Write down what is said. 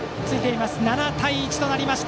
７対１となりました。